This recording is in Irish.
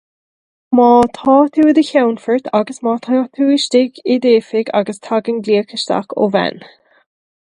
Má tá tú i do cheannfort, agus má tá tú istigh i d'oifig agus tagann glaoch isteach ó bhean.